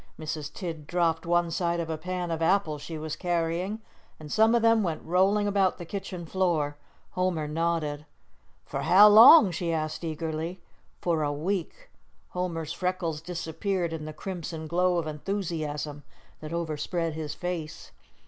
Mrs. Tidd dropped one side of a pan of apples she was carrying, and some of them went rolling about the kitchen floor. Homer nodded. "For how long?" she asked eagerly. "For a week." Homer's freckles disappeared in the crimson glow of enthusiasm that overspread his face.